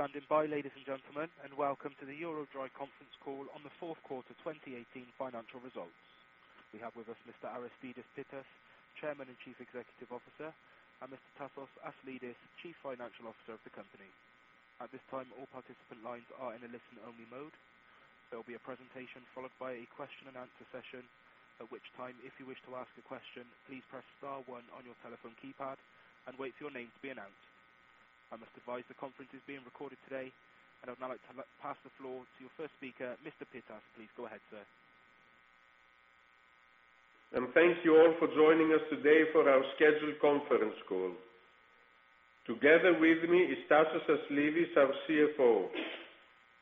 Thank you for standing by, ladies and gentlemen, and welcome to the EuroDry conference call on the fourth quarter 2018 financial results. We have with us Mr. Aristides Pittas, Chairman and Chief Executive Officer, and Mr. Anastasios Aslidis, Chief Financial Officer of the company. At this time, all participant lines are in a listen-only mode. There will be a presentation followed by a question and answer session, at which time, if you wish to ask a question, please press star one on your telephone keypad and wait for your name to be announced. I must advise the conference is being recorded today. I would now like to pass the floor to your first speaker, Mr. Pittas. Please go ahead, sir. Thank you all for joining us today for our scheduled conference call. Together with me is Anastasios Aslidis, our CFO.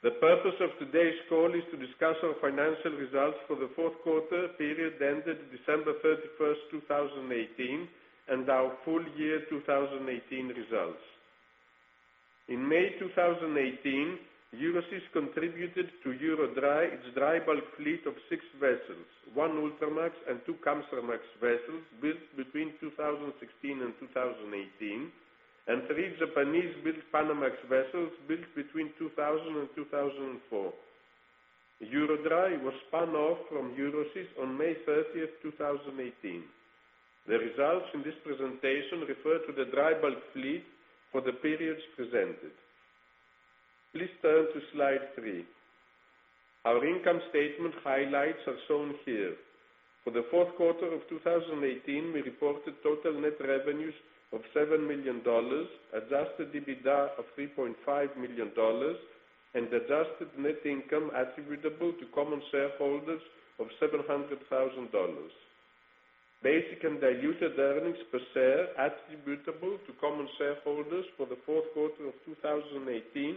The purpose of today's call is to discuss our financial results for the fourth quarter period ended December 31, 2018, and our full year 2018 results. In May 2018, Euroseas contributed to EuroDry its dry bulk fleet of six vessels, one Ultramax and two Kamsarmax vessels built between 2016 and 2018, and three Japanese-built Panamax vessels built between 2000 and 2004. EuroDry was spun off from Euroseas on May 30, 2018. The results in this presentation refer to the dry bulk fleet for the periods presented. Please turn to slide three. Our income statement highlights are shown here. For the fourth quarter of 2018, we reported total net revenues of $7 million, adjusted EBITDA of $3.5 million, and adjusted net income attributable to common shareholders of $700,000. Basic and diluted earnings per share attributable to common shareholders for the fourth quarter of 2018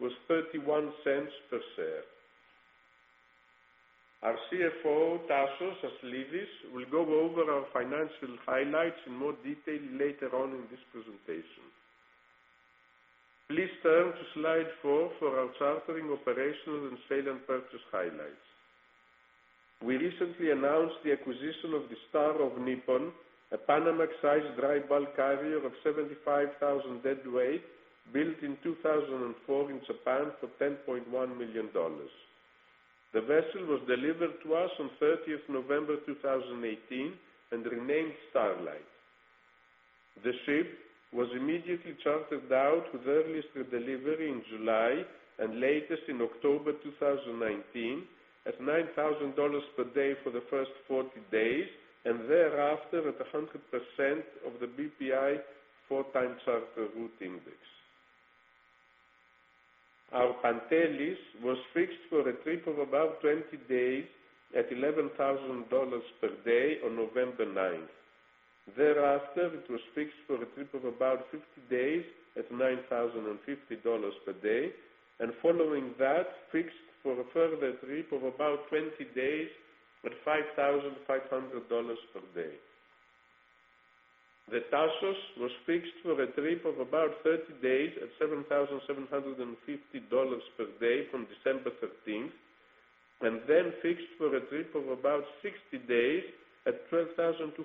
was $0.31 per share. Our CFO, Anastasios Aslidis, will go over our financial highlights in more detail later on in this presentation. Please turn to slide four for our chartering operations and sale and purchase highlights. We recently announced the acquisition of the Star of Nippon, a Panamax-sized dry bulk carrier of 75,000 deadweight, built in 2004 in Japan for $10.1 million. The vessel was delivered to us on November 30, 2018 and renamed Starlight. The ship was immediately chartered out with earliest delivery in July and latest in October 2018 at $9,000 per day for the first 40 days, and thereafter at 100% of the BPI four-time charter route index. Our Pantelis was fixed for a trip of about 20 days at $11,000 per day on November 9. Thereafter, it was fixed for a trip of about 50 days at $9,050 per day, and following that, fixed for a further trip of about 20 days at $5,500 per day. The Tasos was fixed for a trip of about 30 days at $7,750 per day from December 13, and then fixed for a trip of about 60 days at $12,250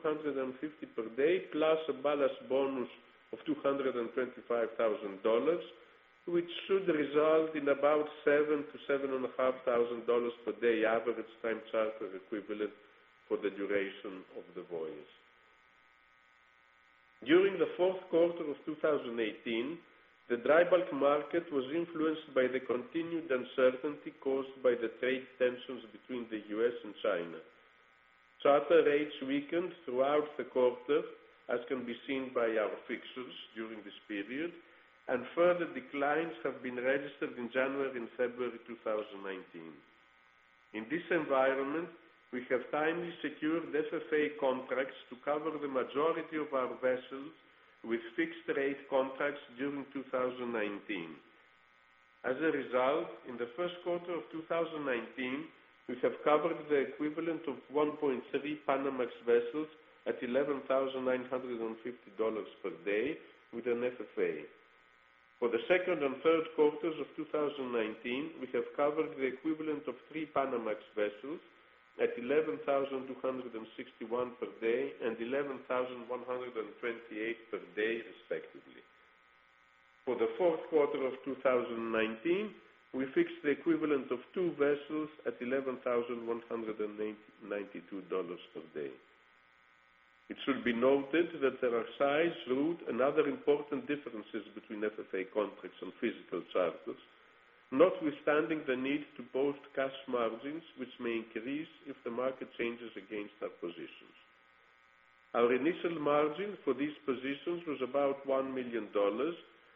per day, plus a ballast bonus of $225,000, which should result in about $7,000-$7,500 per day average time charter equivalent for the duration of the voyage. During the fourth quarter of 2018, the dry bulk market was influenced by the continued uncertainty caused by the trade tensions between the U.S. and China. Charter rates weakened throughout the quarter, as can be seen by our fixtures during this period, and further declines have been registered in January and February 2019. In this environment, we have timely secured FFA contracts to cover the majority of our vessels with fixed-rate contracts during 2019. As a result, in the first quarter of 2019, we have covered the equivalent of 1.3 Panamax vessels at $11,950 per day with an FFA. For the second and third quarters of 2019, we have covered the equivalent of three Panamax vessels at $11,261 per day and $11,128 per day, respectively. For the fourth quarter of 2019, we fixed the equivalent of two vessels at $11,192 per day. It should be noted that there are size, route, and other important differences between FFA contracts and physical charters, notwithstanding the need to post cash margins, which may increase if the market changes against our positions. Our initial margin for these positions was about $1 million,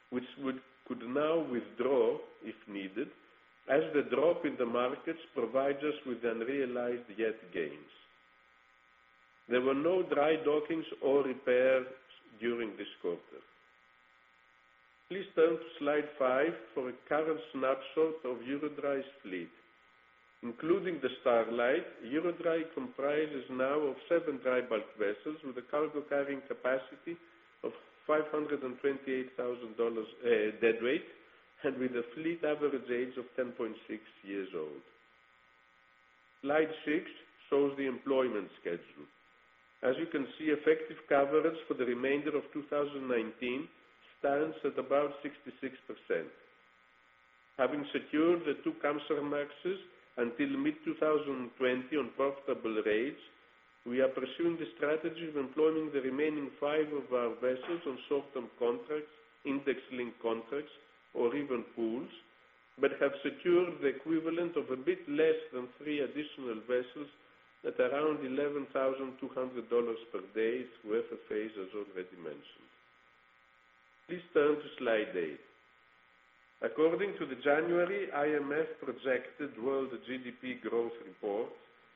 which we could now withdraw if needed, as the drop in the markets provides us with unrealized yet gains. There were no dry dockings or repairs during this quarter. Please turn to slide five for a current snapshot of EuroDry's fleet. Including the Starlight, EuroDry comprises now of seven dry bulk vessels with a cargo carrying capacity of 528,000 deadweight and with a fleet average age of 10.6 years old. Slide six shows the employment schedule. As you can see, effective coverage for the remainder of 2019 stands at about 66%. Having secured the two Kamsarmaxes until mid-2020 on profitable rates, we are pursuing the strategy of employing the remaining five of our vessels on short-term contracts, index-linked contracts, or even pools, have secured the equivalent of a bit less than three additional vessels at around $11,200 per day through FFAs, as already mentioned. Please turn to slide eight. According to the January IMF projected world GDP growth report,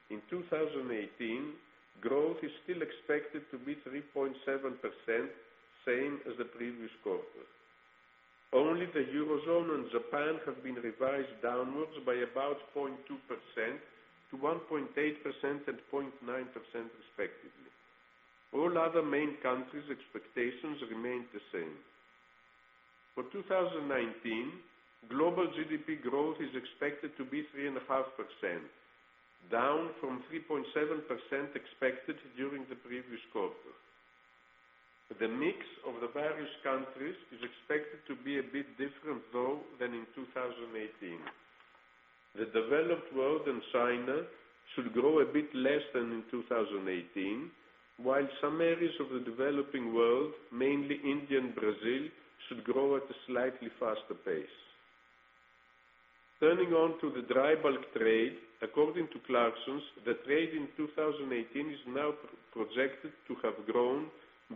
in 2018, growth is still expected to be 3.7%, same as the previous quarter. Only the Eurozone and Japan have been revised downwards by about 0.2% to 1.8% and 0.9% respectively. All other main countries' expectations remain the same. For 2019, global GDP growth is expected to be 3.5%, down from 3.7% expected during the previous quarter. The mix of the various countries is expected to be a bit different, though, than in 2018. The developed world and China should grow a bit less than in 2018, while some areas of the developing world, mainly India and Brazil, should grow at a slightly faster pace. Turning on to the dry bulk trade, according to Clarksons, the trade in 2018 is now projected to have grown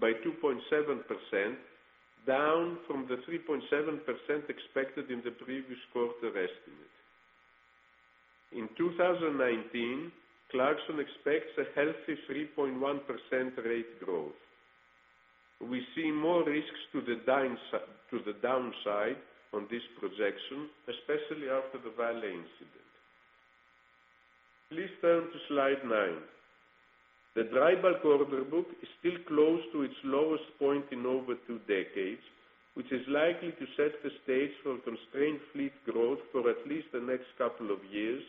by 2.7%, down from the 3.7% expected in the previous quarter estimate. In 2019, Clarksons expects a healthy 3.1% rate growth. We see more risks to the downside on this projection, especially after the Vale incident. Please turn to slide nine. The dry bulk order book is still close to its lowest point in over two decades, which is likely to set the stage for constrained fleet growth for at least the next couple of years,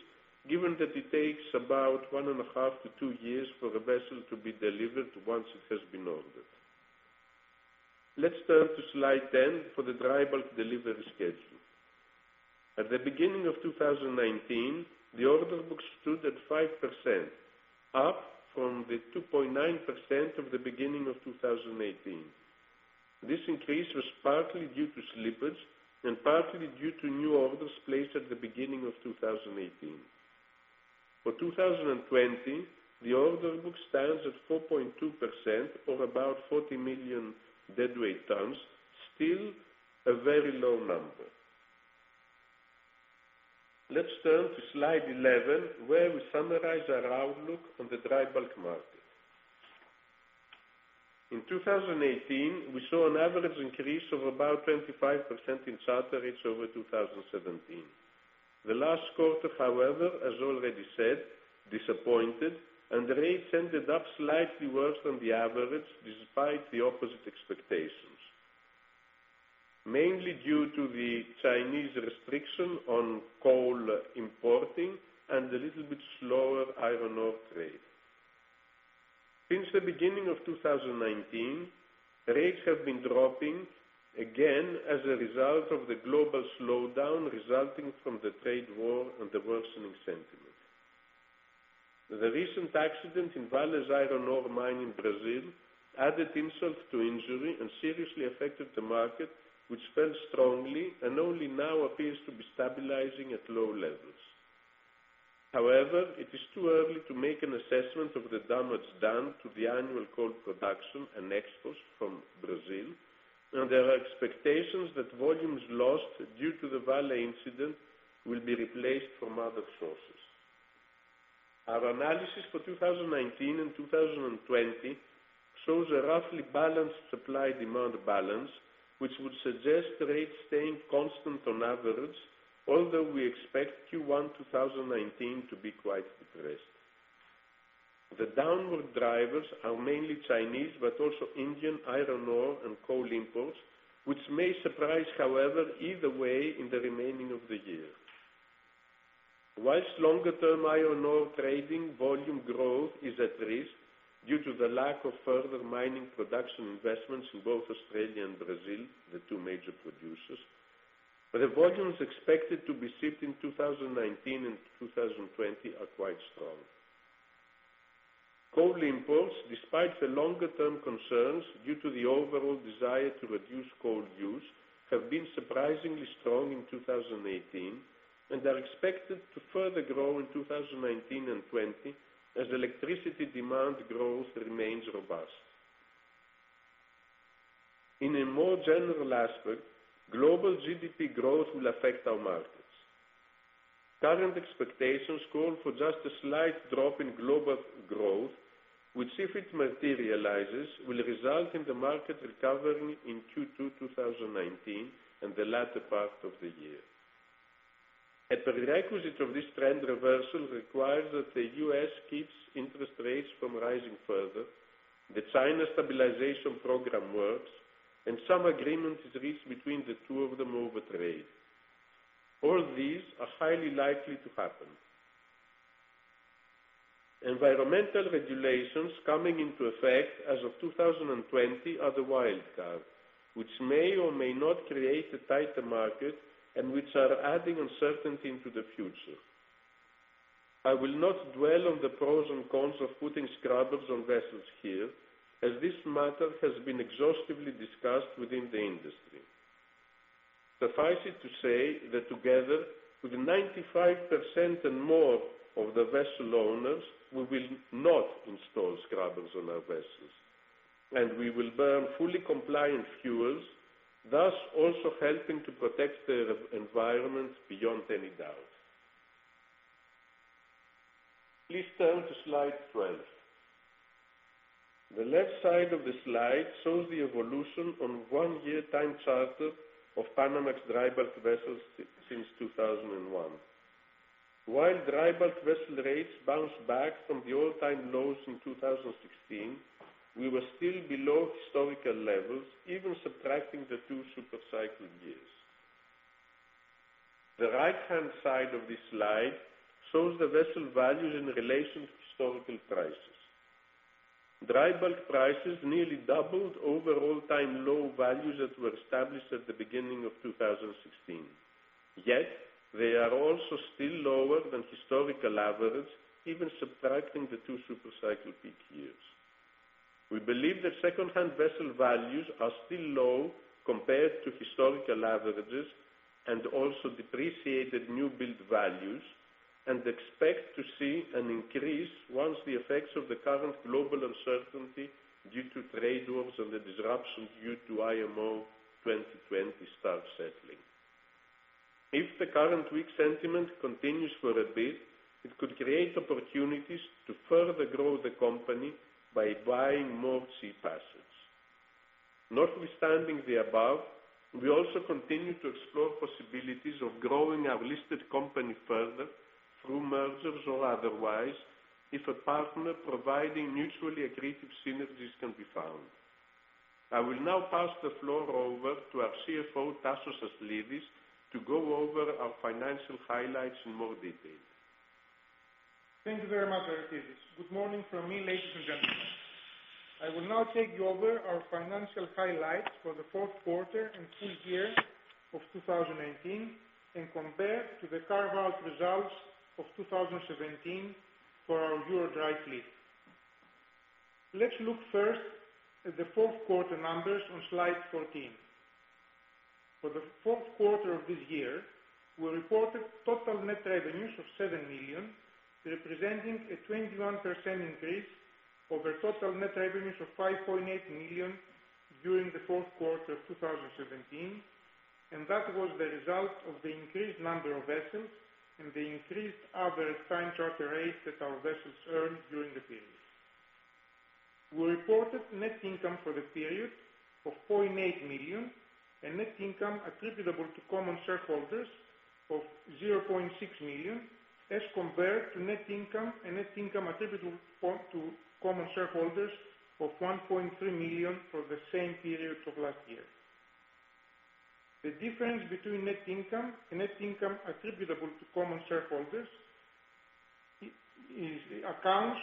given that it takes about one and a half to two years for a vessel to be delivered once it has been ordered. Let's turn to slide 10 for the dry bulk delivery schedule. At the beginning of 2019, the order book stood at 5%, up from the 2.9% of the beginning of 2018. This increase was partly due to slippage and partly due to new orders placed at the beginning of 2018. For 2020, the order book stands at 4.2% or about 40 million deadweight tons, still a very low number. Let's turn to slide 11, where we summarize our outlook on the dry bulk market. In 2018, we saw an average increase of about 25% in charter rates over 2017. The last quarter, however, as already said, disappointed, and rates ended up slightly worse than the average despite the opposite expectations, mainly due to the Chinese restriction on coal importing and a little bit slower iron ore trade. Since the beginning of 2019, rates have been dropping again as a result of the global slowdown resulting from the trade war and the worsening sentiment. The recent accident in Vale’s iron ore mine in Brazil added insult to injury and seriously affected the market, which fell strongly and only now appears to be stabilizing at low levels. It is too early to make an assessment of the damage done to the annual coal production and exports from Brazil, and there are expectations that volumes lost due to the Vale incident will be replaced from other sources. Our analysis for 2019 and 2020 shows a roughly balanced supply-demand balance, which would suggest rates staying constant on average, although we expect Q1 2019 to be quite depressed. The downward drivers are mainly Chinese, but also Indian iron ore and coal imports, which may surprise, however, either way in the remaining of the year. Whilst longer-term iron ore trading volume growth is at risk due to the lack of further mining production investments in both Australia and Brazil, the two major producers, the volumes expected to be shipped in 2019 and 2020 are quite strong. Coal imports, despite the longer-term concerns due to the overall desire to reduce coal use, have been surprisingly strong in 2018 and are expected to further grow in 2019 and 2020 as electricity demand growth remains robust. In a more general aspect, global GDP growth will affect our markets. Current expectations call for just a slight drop in global growth, which, if it materializes, will result in the market recovering in Q2 2019, and the latter part of the year. A prerequisite of this trend reversal requires that the U.S. keeps interest rates from rising further, the China stabilization program works. Some agreement is reached between the two of them over trade. All these are highly likely to happen. Environmental regulations coming into effect as of 2020 are the wild card, which may or may not create a tighter market and which are adding uncertainty into the future. I will not dwell on the pros and cons of putting scrubbers on vessels here, as this matter has been exhaustively discussed within the industry. Suffice it to say that together with 95% and more of the vessel owners, we will not install scrubbers on our vessels, and we will burn fully compliant fuels, thus also helping to protect the environment beyond any doubt. Please turn to slide 12. The left side of the slide shows the evolution on one year time charter of Panamax dry bulk vessels since 2001. While dry bulk vessel rates bounced back from the all-time lows in 2016, we were still below historical levels, even subtracting the two super cycle years. The right-hand side of this slide shows the vessel values in relation to historical prices. Dry bulk prices nearly doubled over all-time low values that were established at the beginning of 2016. Yet they are also still lower than historical average, even subtracting the two super cycle peak years. We believe that secondhand vessel values are still low compared to historical averages and also depreciated new build values, and expect to see an increase once the effects of the current global uncertainty due to trade wars and the disruptions due to IMO 2020 start settling. If the current weak sentiment continues for a bit, it could create opportunities to further grow the company by buying more sea vessels. Notwithstanding the above, we also continue to explore possibilities of growing our listed company further through mergers or otherwise, if a partner providing mutually agreed synergies can be found. I will now pass the floor over to our CFO, Anastasios Aslidis, to go over our financial highlights in more detail. Thank you very much, Aristides. Good morning from me, ladies and gentlemen. I will now take you over our financial highlights for the fourth quarter and full year of 2018 and compare to the carve-out results of 2017 for our EuroDry fleet. Let's look first at the fourth quarter numbers on slide 14. For the fourth quarter of this year, we reported total net revenues of $7 million, representing a 21% increase over total net revenues of $5.8 million during the fourth quarter of 2017, and that was the result of the increased number of vessels and the increased average time charter rates that our vessels earned during the period. We reported net income for the period of $4.8 million and net income attributable to common shareholders of $0.6 million as compared to net income and net income attributable to common shareholders of $1.3 million for the same period of last year. The difference between net income and net income attributable to common shareholders accounts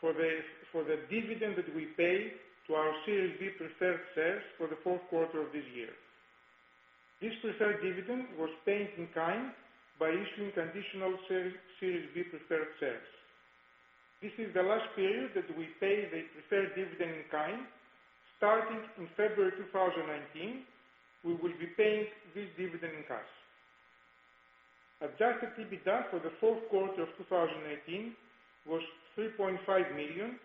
for the dividend that we paid to our Series B preferred shares for the fourth quarter of this year. This preferred dividend was paid in kind by issuing conditional Series B preferred shares. This is the last period that we pay the preferred dividend in kind. Starting in February 2019, we will be paying this dividend in cash. Adjusted EBITDA for the fourth quarter of 2018 was $3.5 million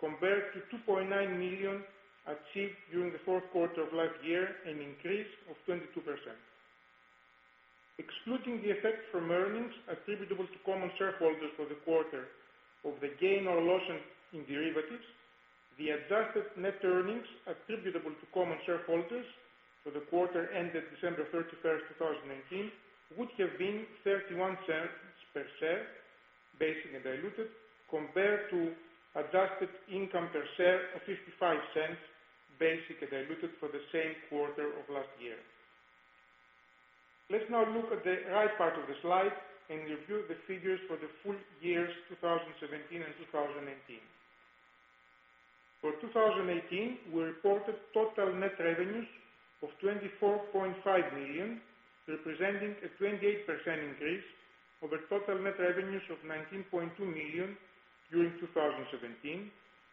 compared to $2.9 million achieved during the fourth quarter of last year, an increase of 22%. Excluding the effect from earnings attributable to common shareholders for the quarter of the gain or loss in derivatives, the adjusted net earnings attributable to common shareholders for the quarter ended December 31st, 2019, would have been $0.31 per share, basic and diluted, compared to adjusted income per share of $0.55, basic and diluted, for the same quarter of last year. Let's now look at the right part of the slide and review the figures for the full years 2017 and 2018. For 2018, we reported total net revenues of $24.5 million, representing a 28% increase over total net revenues of $19.2 million during 2017,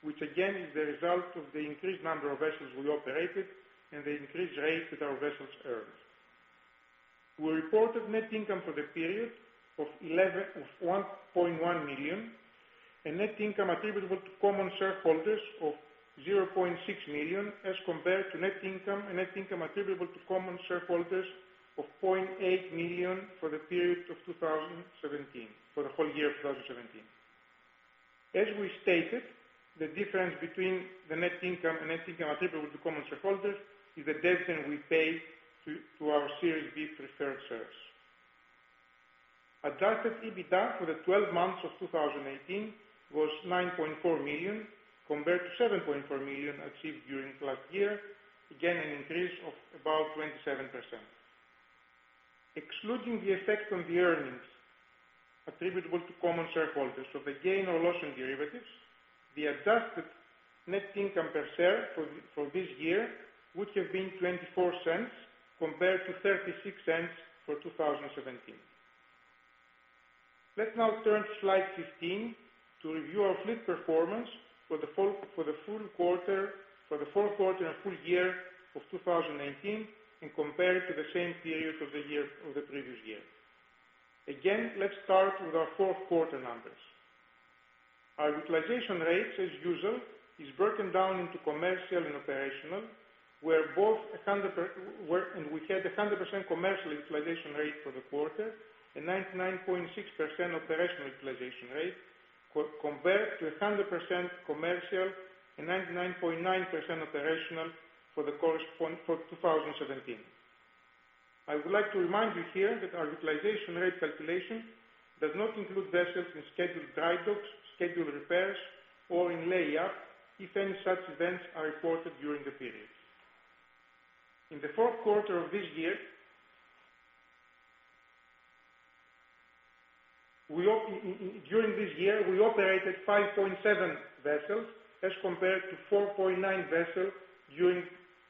which again, is the result of the increased number of vessels we operated and the increased rates that our vessels earned. We reported net income for the period of $1.1 million and net income attributable to common shareholders of $0.6 million as compared to net income and net income attributable to common shareholders of $0.8 million for the period of 2017, for the whole year 2017. As we stated, the difference between the net income and net income attributable to common shareholders is the dividend we paid to our Series B preferred shares. Adjusted EBITDA for the 12 months of 2018 was $9.4 million compared to $7.4 million achieved during last year. Again, an increase of about 27%. Excluding the effect on the earnings attributable to common shareholders of a gain or loss on derivatives, the adjusted net income per share for this year would have been $0.24 compared to $0.36 for 2017. Let's now turn to slide 15 to review our fleet performance for the full quarter and full year of 2018 in compare to the same period of the previous year. Again, let's start with our fourth quarter numbers. Our utilization rates, as usual, is broken down into commercial and operational, where we had 100% commercial utilization rate for the quarter and 99.6% operational utilization rate compared to 100% commercial and 99.9% operational for 2017. I would like to remind you here that our utilization rate calculation does not include vessels in scheduled dry docks, scheduled repairs, or in lay-up if any such events are reported during the period. During this year, we operated 5.7 vessels as compared to 4.9 vessels during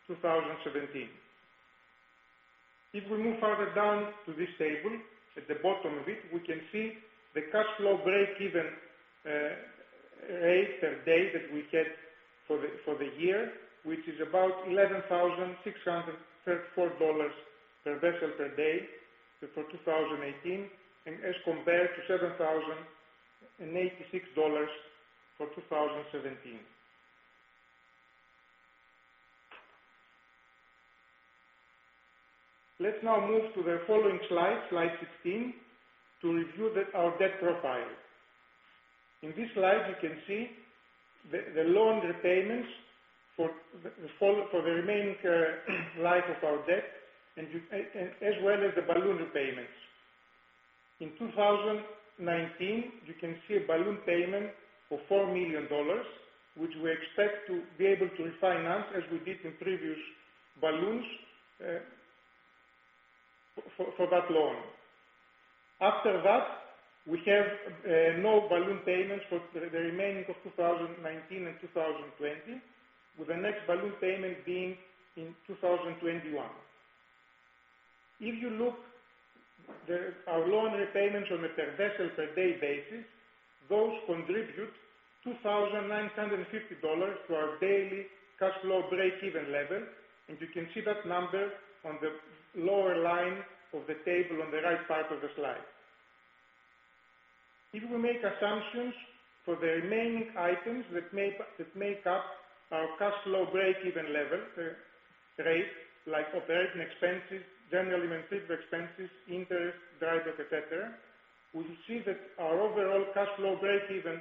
2017. If we move further down to this table, at the bottom of it, we can see the cash flow break-even rate per day that we had for the year, which is about $11,634 per vessel per day for 2018, as compared to $7,086 for 2017. Let's now move to the following slide 16, to review our debt profile. In this slide, you can see the loan repayments for the remaining life of our debt as well as the balloon repayments. In 2019, you can see a balloon payment of $4 million, which we expect to be able to refinance as we did in previous balloons for that loan. After that, we have no balloon payments for the remaining of 2019 and 2020, with the next balloon payment being in 2021. If you look at our loan repayments on a per vessel per day basis, those contribute $2,950 to our daily cash flow break-even level, and you can see that number on the lower line of the table on the right side of the slide. If we make assumptions for the remaining items that make up our cash flow break-even rate, like operating expenses, general administrative expenses, interest, dry dock, et cetera, we see that our overall cash flow break-even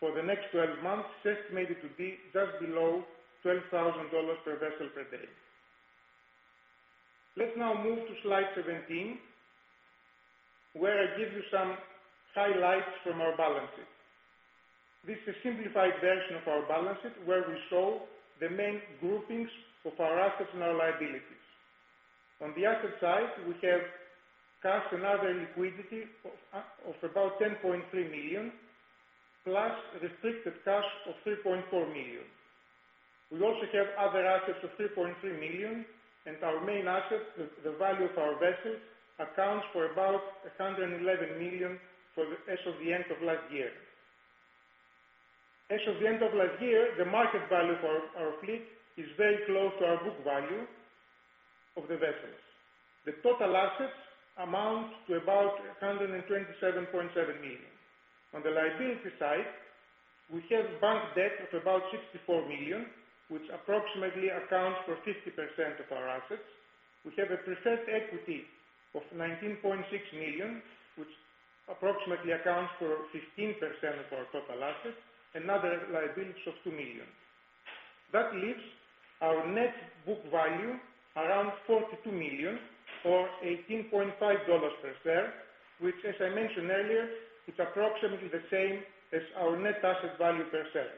for the next 12 months is estimated to be just below $12,000 per vessel per day. Let's now move to slide 17, where I give you some highlights from our balances. This is a simplified version of our balances, where we show the main groupings of our assets and our liabilities. On the asset side, we have cash and other liquidity of about $10.3 million, plus restricted cash of $3.4 million. We also have other assets of $3.3 million, and our main assets, the value of our vessels, accounts for about $111 million as of the end of last year. As of the end of last year, the market value for our fleet is very close to our book value of the vessels. The total assets amount to about $127.7 million. On the liability side, we have bank debt of about $64 million, which approximately accounts for 50% of our assets. We have a preferred equity of $19.6 million, which approximately accounts for 15% of our total assets, and other liabilities of $2 million. That leaves our net book value around $42 million or $18.5 per share, which, as I mentioned earlier, is approximately the same as our net asset value per share.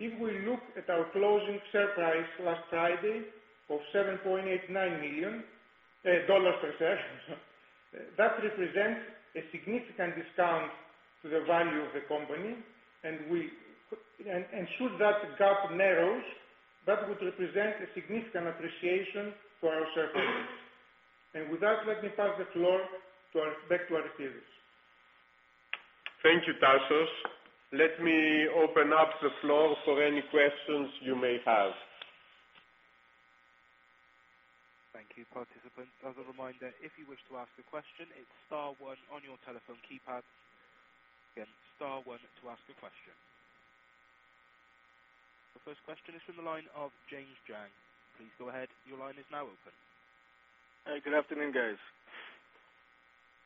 If we look at our closing share price last Friday of $7.89 per share, that represents a significant discount to the value of the company, and should that gap narrows, that would represent a significant appreciation for our shareholders. With that, let me pass the floor back to our CEO. Thank you, Tasos. Let me open up the floor for any questions you may have. Thank you, participants. As a reminder, if you wish to ask a question, it is star one on your telephone keypad. Again, star one to ask a question. The first question is from the line of James Jang. Please go ahead. Your line is now open. Hey, good afternoon, guys.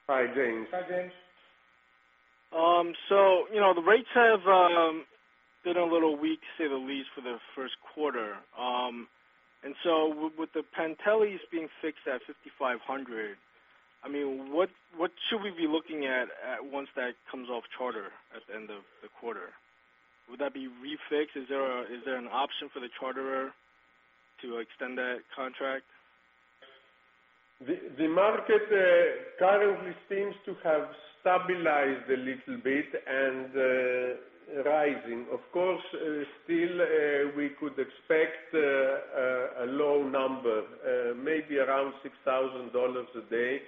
Hi, James. Hi, James. The rates have been a little weak, to say the least, for the first quarter. With the Pantelis being fixed at $5,500, what should we be looking at once that comes off charter at the end of the quarter? Would that be refixed? Is there an option for the charterer to extend that contract? The market currently seems to have stabilized a little bit and rising. Of course, still, we could expect a low number, maybe around $6,000 a day.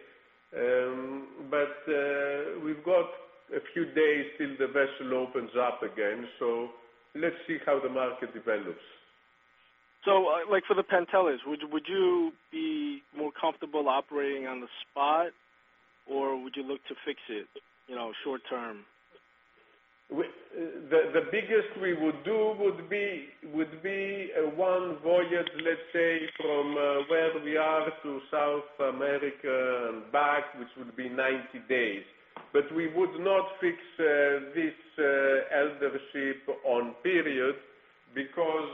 We've got a few days till the vessel opens up again, so let's see how the market develops. Like for the Pantelis, would you be more comfortable operating on the spot, or would you look to fix it short-term? The biggest we would do would be one voyage, let's say, from where we are to South America and back, which would be 90 days. We would not fix this elder ship on period because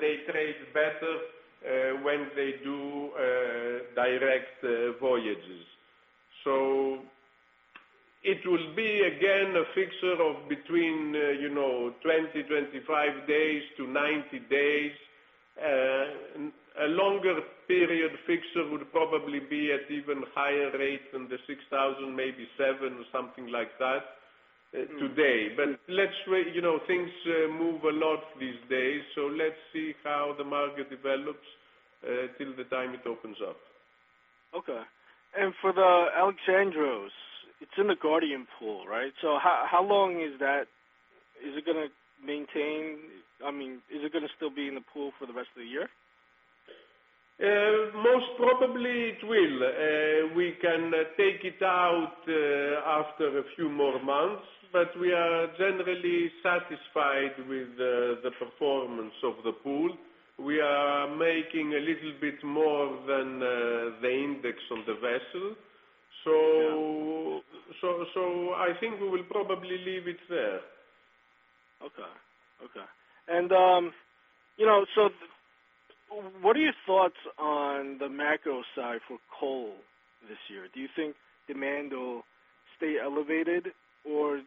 they trade better when they do direct voyages. It would be, again, a fixer of between 20-25 days to 90 days. A longer period fixer would probably be at even higher rate than the $6,000, maybe $7 or something like that today. Things move a lot these days, so let's see how the market develops till the time it opens up. Okay. For the Alexandros, it's in the Guardian pool, right? How long is it going to still be in the pool for the rest of the year? Most probably it will. We can take it out after a few more months, but we are generally satisfied with the performance of the pool. We are making a little bit more than the index on the vessel. I think we will probably leave it there. Okay. What are your thoughts on the macro side for coal this year? Do you think demand will stay elevated, or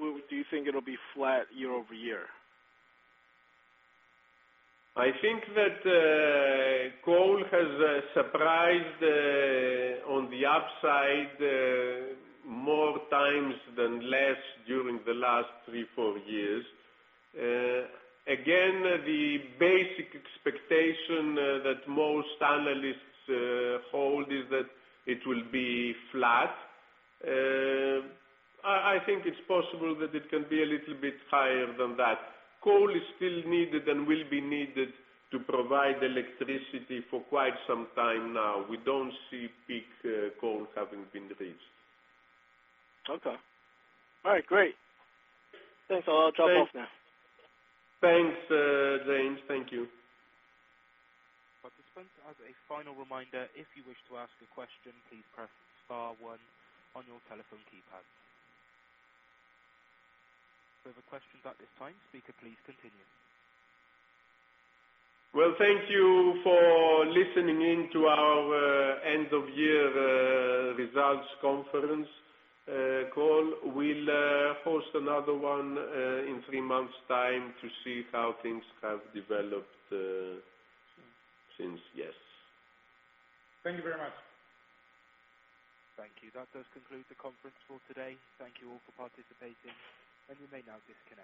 do you think it'll be flat year-over-year? I think that coal has surprised on the upside more times than less during the last three, four years. Again, the basic expectation that most analysts hold is that it will be flat. I think it's possible that it can be a little bit higher than that. Coal is still needed and will be needed to provide electricity for quite some time now. We don't see peak coal having been reached. Okay. All right, great. Thanks a lot. I'll drop off now. Thanks, James. Thank you. Participants, as a final reminder, if you wish to ask a question, please press star one on your telephone keypad. We have no questions at this time. Speaker, please continue. Well, thank you for listening in to our end-of-year results conference call. We'll host another one in three months' time to see how things have developed since, yes. Thank you very much. Thank you. That does conclude the conference for today. Thank you all for participating, and you may now disconnect.